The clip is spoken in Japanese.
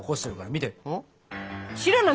見て！